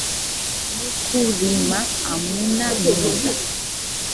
Muku rima amuna miza